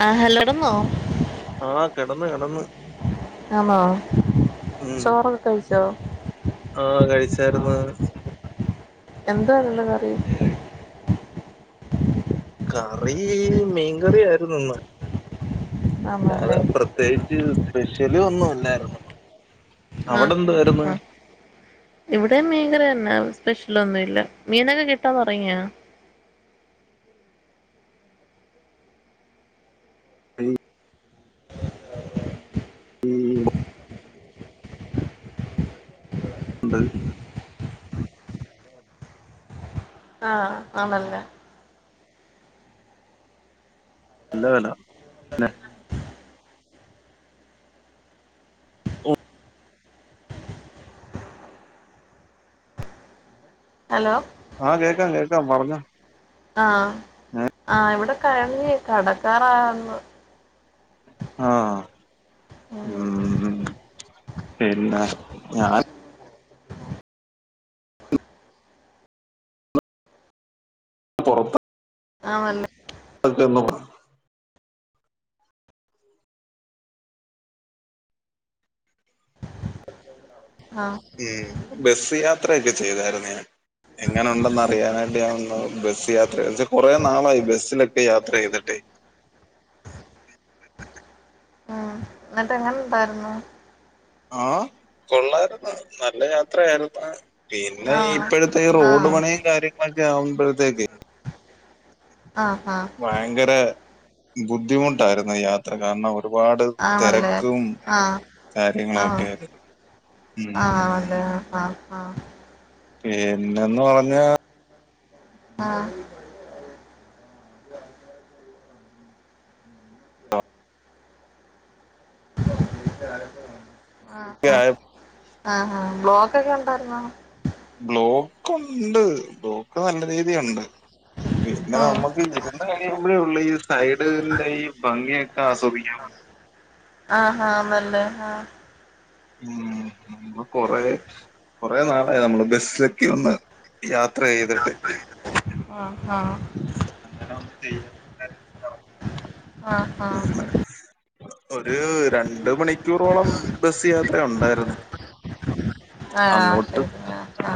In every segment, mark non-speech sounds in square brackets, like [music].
ആഹ് hello കെടന്നോ ആ കെടന്ന് കെടന്ന് ആണോ മ് ചോറൊക്കെ കഴിച്ചോ ആ കഴിച്ചാര്ന്ന് എന്താ നിങ്ങളെ കറി കറീ മീൻകറി ആയിരുന്നു ഇന്ന് ആണല്ലേ അതെ പ്രത്യേകിച്ച് സ്പെഷ്യല് ഒന്നു ല്ലാരുന്നു ആ അ ഇവ്ടെ മീൻ കറി ന്നെ ന്ന് ഒന്നു ല്ല മീനൊക്കെ കിട്ടാതൊർങിഓ ആയ് അമ്പൾ ആ ആണല്ലെ നല്ല വെല പിന്നെ ഓ ഹലോ ആ കേക്കാം കേക്കാം പറഞ്ഞോ ആ ഏഹ് ആ ഇവടെ കഴിഞ്ഞ് കടക്കാറാവ്ന്ന് ആ ഉം മ്മ് പിന്നെ ഞാൻ പൊറത്ത ആണല്ലേ [unintelligible] ആഹ് എ ബസ് യാത്രയൊകെ ചെയ്താരുന്നു ഞാൻ എങ്ങനൊണ്ടെന്നറിയാനായിട്ട് ഞാനൊന്ന് ബസ് യാത് ച്ച കൊറേ നാളായി ബസിലൊക്കെ യാത്രെയ്തിട്ടെ ആ ന്നട്ട് എങ്ങനെ ഇണ്ടായിരുന്നു ആ കൊള്ളാരുന്ന് നല്ല യാത്രയായിരുന്ന് പിന്നെ ആഹ് ഇപ്പഴത്തെ ഈ റോഡ് ആഹ് പണീം കാര്യങ്ങളൊക്കെ ആവുമ്പഴത്തേക്കെ ആഹ് ആഹ് ഭയങ്കര ബുദ്ധിമുട്ടായിരുന്നു യാത്ര കാരണം ഒരുപാട് ആണല്ലേ തെരക്കും കാര്യങ്ങളൊക്കെ ആ ആ അതെ ആ ആ പിന്നെ ന്ന് പറഞ്ഞാ ആ [inaudible] ആ അ ആ ഇ ബ്ലോക്കൊക്കെ ഒണ്ടായിരുന്നോ കൊണ്ട് ബ്ലോ ഇപ്പ നല്ല രീതിയിലൊണ്ട് പിന്നെ ഉം നമുക്ക് ഇരുന്ന് കഴിയുമ്പോഴേ ഒള്ളു ഈ സൈഡിന്റെ ഈ ഭംഗിയൊക്കെ ആസ്വദിക്കാൻ പറ്റു ആണല്ലേ ആ മ്മ് നമ്മ കൊറേ കൊറേ നാളായി നമ്മള് ബസിലൊക്കെയൊന്ന് യാത്രെയ്തിട്ട് ആഹ് അങ്ങനെ ഒന്ന് ചെയ്യാ ആഹ് ആഹ് വിചാരിച്ചിട്ടെറങ്ങിയതാ ആഹ് ഒരൂ രണ്ട് മണിക്കൂറോളം ബസ് യാത്ര യാത്ര ഒണ്ടായിര്ന്ന് ആ ശരി ആ ആ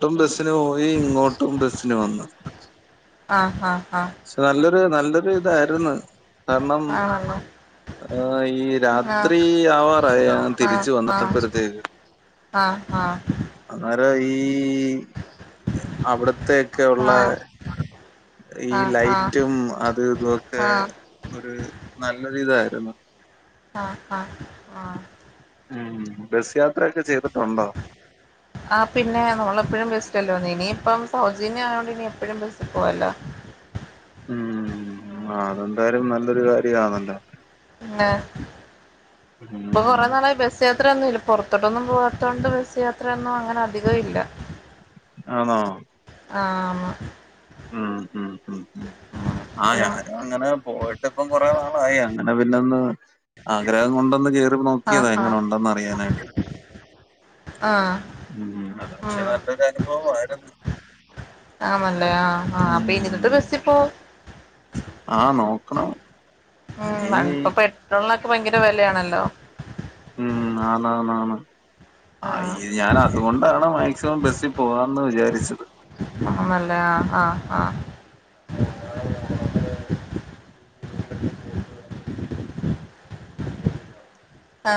ട്ടും ബസ്സിന് പോയി ഇങ്ങോട്ടും ബസിന് വന്ന് ആഹ് ആ രു ഇതായിരുന്നു കാരണം ആണല്ലോ ഈ രാത്രി ആവാറായ ആ ആ ആ ആ താ ഈ അവിടത്തെക്കെ ആഹ് ഉള്ള ആഹ് ഈ ആഹ് ആഹ് ലൈറ്റും അത് ഇതുംഒക്കെ ആഹ് ഒരു നല്ലൊരി ഇതായിരുന്നു ആ ആ ആ ഉം ബസ് യാത്ര ആ പിന്നെ നമ്മളെപ്പോഴും ബസ്സിലല്ലേവന്നിനു ഇനിയിപ്പം സൗജന്യം ആയതൊണ്ട് ഇനി എപ്പഴും ബസ്സിൽ പോവല്ലോ ഉം ആ അതെന്തായാലും നല്ലൊരു കാര്യ ണല്ലോ പിന്നെ ഇപ്പൊ കൊറെ നാളായി ബസ് യാത്രയൊന്നും ഇല്ല പുറത്ത് തത്തൊട്ടൊന്നും പോവാത്തോണ്ട് ബസ് യാത്രയൊന്നും അങ്ങനെ അധികം ഇല്ല ആണോ ആണ് ഉം ഉം ഉം ഉം ആ ഹലോ ഞാനും അങ്ങനെ പോയിട്ട് ഇപ്പം കൊറെ നാളായി അങ്ങനെ പിന്നെ ഒന്ന് ആഗ്രഹം കൊണ്ടന്ന് കേ നോക്കിയതാ ആഹ് എങ്ങനെ ഉണ്ടെന്ന് അറിയാനായിട്ട് ആഹ് പക്ഷെ ആഹ് നല്ലൊരനുഭവായിരുന്നു ആണല്ലേ ആഹ് ആഹ് അപ്പൊ ഇരുന്നിട്ട് ഉം ബസ്സിൽ പോവും ആ നോക്കണം ഉം ഇനി പണ്ടഇപ്പ പെട്രോളിനൊക്കെ ഭയങ്കര വെലയാണല്ലോ ഉം ആന്നാന്നാന്ന് ആ ഈ ഞാൻ അതുകൊണ്ടാണ് മാക്സിമം ബസ്സിൽ പോവാന്ന് വിചാരിച്ചത് ആ ആ ആ ആ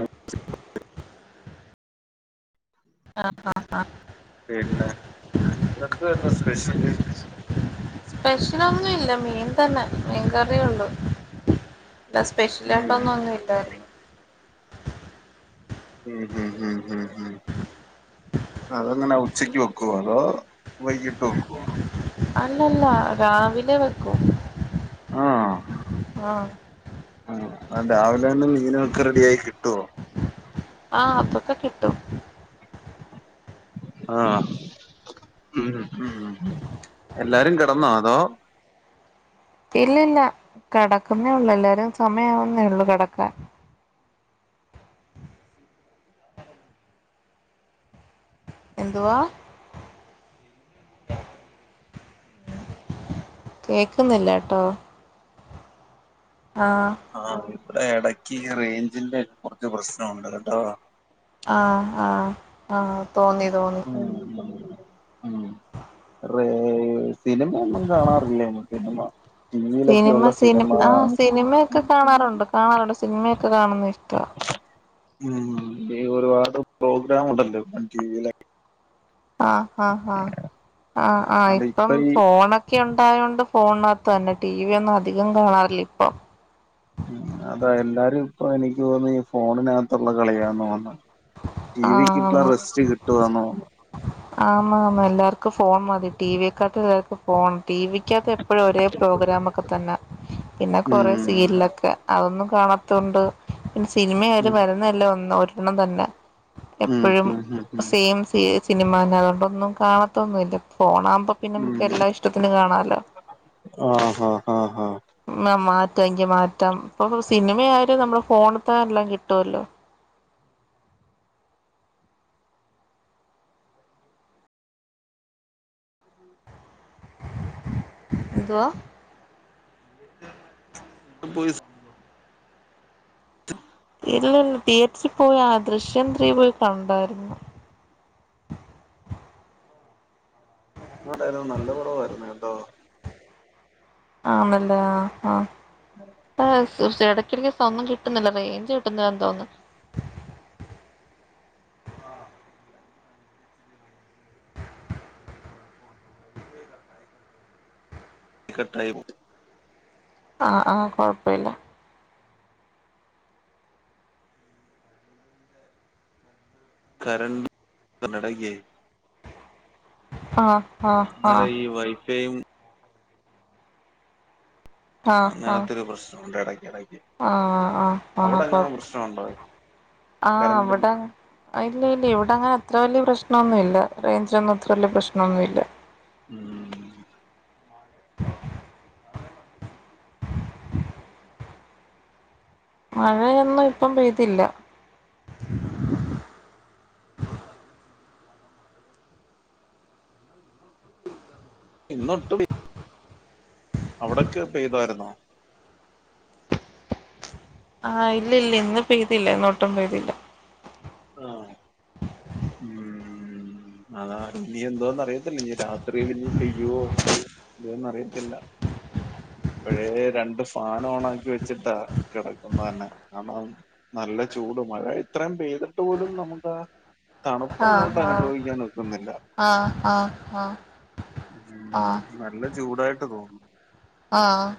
[unintelligible] ആ ആ ആ പിന്നെ ഇന്നെന്തുവായിരുന്നു സ്പെഷ്യല് സ്പെഷലൊന്നും ഇല്ല മീൻ തന്നെ കറിയുണ്ട് എന്താ ഉം സ്പെഷ്യലയിട്ടോന്നും ഒന്നുംല്ലായിരുന്നു ഉം ഉം ഉം ഉം ഉം അതങ്ങനെ ഉച്ചക്ക് വെക്കുവ അതോ വൈകിട്ട് വെക്കോ അല്ലല്ല രാവിലെ വെക്കൂ ആഹ് ആ രാവിലെ തന്നെ മീന് ഒക്കെ റെഡി ആയി കിട്ടുവോ ക്കെ കിട്ടും ആഹ് ഉം ഉം എല്ലാരും കിടന്നോ അതോ ഇല്ല ഇല്ല കെടക്ക്‌ന്നേ ഉള്ളു എല്ലാരും സമയാവുന്നേ ഉള്ളു കെടക്കാൻ എന്തുവാ കേക്കുന്നില്ല ട്ടോ ആഹ് ഇവടെ എടക്ക് ഈ റേഞ്ചിന്റെ കുറച്ച് പ്രശ്നം ഉണ്ട് കേട്ടോ ആഹ് ആഹ് ആഹ് തോന്നി തോന്നി ഉം [unintelligible] സിനിമയൊന്നും കാണാറില്ലേന്ന് സിനിമ ടിവിയിലൊക്കെ സിനിമ ഉള്ള സിനി സിനിമ ആ സിനിമയൊക്കെ കാണാറുണ്ട് കാണാറുണ്ട് സിനിമയൊക്കെ കാണുന്ന ഇഷ്ടവാ ഉം ഈ ഒരുപാട് പ്രോഗ്രാം ഉണ്ടല്ലോ ടിവിയിലെ ആഹ് ഹാ ഹാ ആഹ് ആ അല്ല ഇപ്പം ഇപ്പൊ ഈ ഫോണൊക്കെ ഉൺ ണ്ടായോണ്ട് ഫോണിനകത്ത് തന്നെ ടി വി ഒന്നും അധികം കാണാറില്ല ഇപ്പം ഉം അതാ എല്ലാരും ഇപ്പൊ എനിക്ക് തോന്നുന്നു ഈ ഫോണിനക ത്തുള്ള കളിയാന്ന് തോന്ന്ന്ന് ടി വിക്ക് ഇപ്പ ആന്ന് റെസ്റ്റ് കിട്ടുവാന്ന് തോന്നും ആന്ന് ആന്ന് എല്ലാവർക്കും ഫോൺ മതി ടിവിയെക്കാട്ടിലും എല്ലാർക്കും ഫോൺ ടി വിക്കാത്ത് എപ്പൊഴും ഒരേ പ്രോഗ്രാം ഒക്കെ തന്നാ പിന്നെ കൊറേ ഉം സീരിയലൊക്കെ അതൊന്നും കാണത്തോണ്ട് പിന്നെ ഉം സിനിമയായാലും വരുന്ന എല്ലാം ഒന്ന് ഒര് ണ്ണം തന്നെ ഉം എപ്പോഴും ഉം ഉം ഉം സെയിം സീ [unintelligible] മ ന്നെ അതൊണ്ടൊന്നും കാണത്തൊന്നുല്ല ഫോണാ ഇപ്പൊ പിന്നെ നമുക്ക് ഉം എല്ലാ ഇഷ്ടത്തിനും കാണാലോ ആഹ് ആഹ് ആഹ് ആഹ് മ മാ തേങ്കി മാറ്റം ഇപ്പൊ സിനിമയായാലും നമ്മളെ ഫോണ്ത്തന്നെ എല്ലാം കിട്ടുവല്ലോ എന്തുവാ പോയി [unintelligible] ഇല്ലല്ല തിയറ്ററിൽ പോയി ആ ദൃശ്യം ത്രീ പോയി കണ്ടായിരുന്നു ആ ഡയലോഗ് നല്ല കുറവായിരുന്നേ ട്ടോ ആന്നല്ലേ ആഹ് ആഹ് [unintelligible] തീർച്ചയാ ഇടക്കിടക്ക്‌ ഒന്നും കിട്ടുന്നില്ല റേഞ്ച് കിട്ടുന്നില്ല തോന്നുന്ന് [unintelligible] കട്ടായി ആഹ് ആഹ് കൊഴപ്പില്ല കരണ്ട് തിനെടയ്‌ക്കേ ആ അന്നരയീ വൈഫൈയും അങ്ങനത്തൊരു പ്രശ്നോണ്ട് എട എടയ് ആ ആ ആ പ്രശ്നമുണ്ടോ ആ ആ കറണ്ടിന് ഇവിടങ്ങ് ഇല്ല ഇവിടങ്ങനെ അത്ര വല്ല്യ പ്രശ്നോന്നുഇല്ല റേഞ്ചോന്നും അത്രല്ല്യ പ്രശ്നമൊന്വില്ല. ഉം മഴയൊന്നും ഇപ്പം പെയ്തില്ല. ഇന്നൊട്ടു [unintelligible] അവടൊക്കെ പെയ്താരുന്നോ? ആ ഇല്ല ഇല്ല ഇന്ന് പെയ്തില്ല ഇന്നൊട്ടും പെയ്തില്ല. ആ ഉം അതാ ഇനി എന്തോന്ന് അറിയ ത്തില്ലിനി രാത്രിലിനി പെയ്യുവോ. ഇല്ല്യോന്നറിയത്തില്ല. ഇപ്പഴേ രണ്ട് ഫാനോണാക്കി വെച്ചിട്ടാ കെടക്കുന്ന തന്നെ, കാരണം, നല്ല ചൂട്, മഴ ഇത്രേം പെയും ട്ട് പോലും നമുക്കാ ആഹ് ആഹ് തണുപ്പങ്ങോട്ടനുഭവിക്കാനൊക്കുന്നില്ല. ആഹ് ആഹ് ആഹ് നല്ല ചൂടായിട്ട് തോന്നും. ആഹ്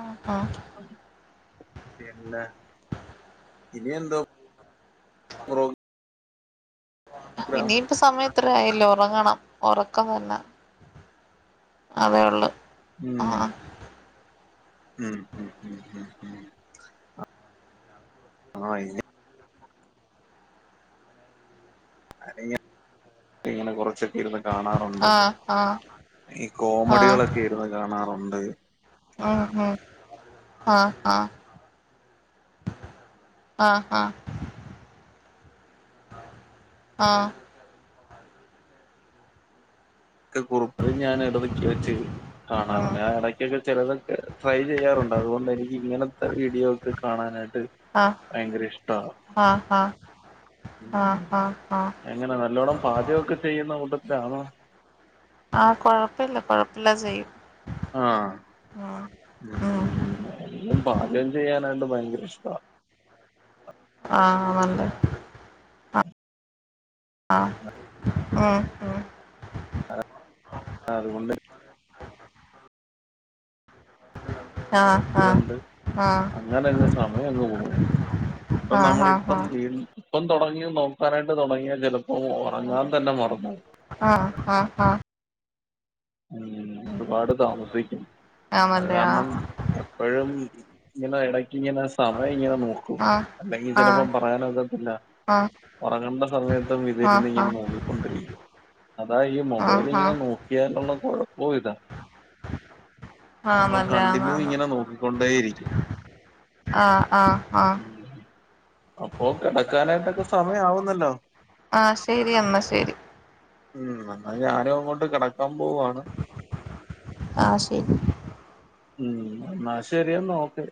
ആ ആ ഇനിയെന്തോ [unintelligible] പ്രോഗ്രാം ഇനിയിപ്പ സമയം ഇത്രെയായല്ലോ. റങ്ങണം ഒറക്കം തന്നെ. അതേയൊള്ളു. ഉം ഉം ഉം ഉം ഉം ഉം ആ ഇനി അതിങ്ങ പ്പങ്ങിനെ കൊറച്ച് ഇരുന്ന് കാണാറൊണ്ട്, ആഹ് ആഹ് ഈ കോമഡികളൊക്കെ ഇരുന്ന് കാണാറൊ അതേ ആ ആ ആ ആ ആ ആ ആ ഒക്കെ കുറപ്പില് ഞാൻ ഇടതൊക്ക ചെയ്യും. കാണാറൊണ്ട് ഉം ഇടക്കൊക്കെ ചെലതൊക്കെ ട്രൈ ചെയ്യാറുണ്ട് അതുകൊണ്ടെനിക്ക് ഇങ്ങനത്തെ വീഡിയോ ഒക്കെ കാണാനായിട്ട് ആഹ് ഭയങ്കര ഇഷ്ടാ. ആഹ് ആഹ് ആഹ് ആഹ് ആഹ് എങ്ങനെ നല്ലോണ്ണം പാചമൊക്കെ ചെയ്യുന്ന കൂട്ടത്തി ച്ചാണോ? ആ കൊഴപ്പില്ല കൊഴപ്പില്ല ചെയ്യും. ആ ഉം ഉം എന്നും പാചകം ചെയ്യാൻ. നാട്ട് ഭയങ്കര ഇഷ്ടാ. ആണല്ലേ ആ ഉം ഉം അതുകൊണ്ട് ആഹ് അ കണ്ട് ആഹ് ആഹ് അങ്ങനെങ്ങ് സമയം അങ്ങ് പോകും ഇപ്പൊ ആഹ് ആഹ് നമ്മളിപ്പം വീ ഇപ്പം തൊടങ്ങി നോക്കാനായിട്ട് തൊടങ്ങിയാൽ ചെലപ്പോൾ ഒറങ്ങാൻ തന്നെ മറന്നു പോവും ആ ആ ആ ഉം ഒരുപാട് താമസി അത് ആണല്ലേ ആഹ് കാരണം എപ്പഴും നഎട ഇങ്ങനെ സമയം ഇങ്ങനെ നോക്കും ആഹ് അല്ലെങ്കിൽ ചെലപ്പോ ആഹ് പറയാനൊക്കത്തില്ല ആഹ് ഉറങ്ങണ്ട സമയത്തും ആഹ് ഇതിരുന്ന് ഇങ്ങനെ നോക്കിക്കൊണ്ടിരിക്കും അതാ ഈ ആഹ് മൊബൈൽ ആഹ് ഇങ്ങനെ ആഹ് നോക്കിയാലുള്ള പോയതാ നമ്മൾ ആന്നല്ലേ കണ്ടിന്യൂ ആന്നാന്ന് ഇങ്ങനെ നോക്കിക്കൊണ്ടേയിരിക്കും ആഹ് ആഹ് ആഹ് ഉം അപ്പോ കിടക്കാനായിട്ടൊക്കെ സമയം ആവ ല്ലോ ആ ശെരിയന്നാ ശെരി ഉം എന്നാ ഞാനും അങ്ങോട്ട് കെടക്കാ പോവ ആ ശെരി ഉം എന്നാ ശെരിയെന്നാ ഓക്കെ